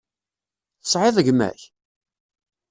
Tesεiḍ gma-k?